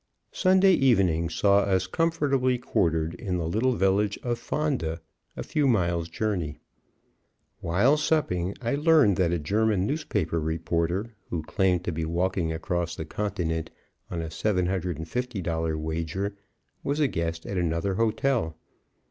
Sunday evening saw us comfortably quartered in the little village of Fonda, a few miles' journey. While supping I learned that a German newspaper reporter, who claimed to be walking across the continent on a $750 wager, was a guest at another hotel.